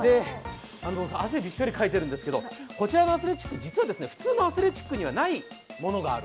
汗びっしょりかいてるんですけど、こちらのアスレチック、実は普通のアスレチックにはないものがある。